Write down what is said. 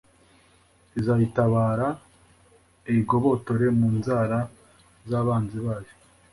izayitabara, iyigobotore mu nzara z'abanzi bayo